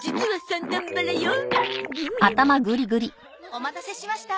お待たせしました。